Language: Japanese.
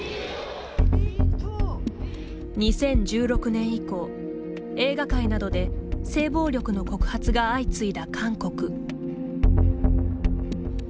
２０１６年以降、映画界などで性暴力の告発が相次いだ韓国。